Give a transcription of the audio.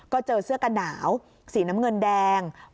ก็เจอเสื้อกันหนาวสีน้ำเงินแดง